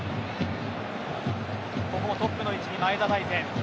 ここもトップの位置に前田大然。